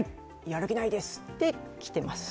やる気ないですで来てます。